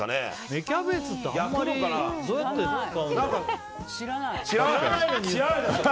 芽キャベツってあんまりどうやって使うんだろう。